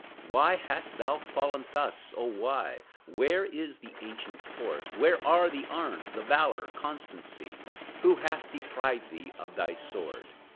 Why hast thou fallen thus, oh, why? Where is the ancient force? Where are the arms, the valor, constancy? Who hath deprived thee of thy sword?